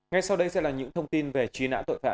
ngay sau đây sẽ là những thông tin về truy nã tội phạm